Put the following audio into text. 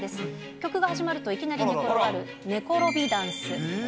曲が始まるといきなり寝っ転がる、寝転びダンス。